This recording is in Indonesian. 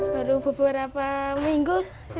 baru beberapa minggu